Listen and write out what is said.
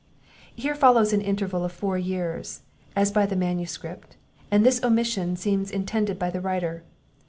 [Here follows an interval of four years, as by the manuscript; and this omission seems intended by the writer.